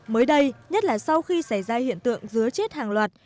mới đây nhất là sau khi xảy ra hiện tượng dứa chết hàng loạt